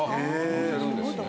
殺せるんですね。